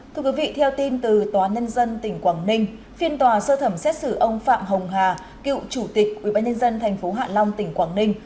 thưa quý vị theo tin từ tòa nhân dân tỉnh quảng ninh phiên tòa sơ thẩm xét xử ông phạm hồng hà cựu chủ tịch ubnd tp hạ long tỉnh quảng ninh